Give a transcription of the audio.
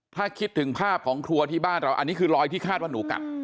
ถ้าคิดถึงภาพของครัวที่บ้านเราอันนี้คือรอยที่คาดว่าหนูกัด